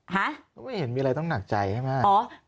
ฮะเขาไม่เห็นมีอะไรต้องหนักใจให้มาก